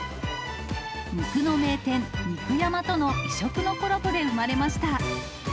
肉の名店、肉山との異色のコラボで生まれました。